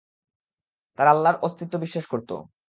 তারা আল্লাহর অস্তি ত্ব বিশ্বাস করত।